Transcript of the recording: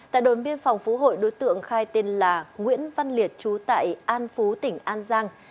tại đồn biên phòng phú hội đối tượng khai tên là nguyễn văn liệt trú tại an phú tỉnh an giang